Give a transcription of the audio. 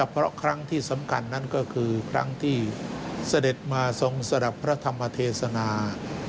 เพราะครั้งที่สำคัญนั้นก็คือครั้งที่เสด็จมาทรงสลับพระธรรมเทศนา